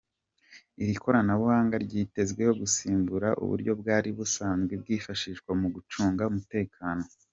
Iri koranabuhanga ryitezweho gusimbura uburyo bwari busanzwe bwifashishwa mu gucunga umutekano.